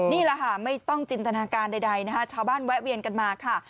นี่แหละค่ะไม่ต้องจินตนาการใดนะคะชาวบ้านแวะเวียนกันมาค่ะ